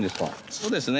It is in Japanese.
そうですね。